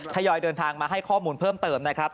ทยอยเดินทางมาให้ข้อมูลเพิ่มเติมนะครับ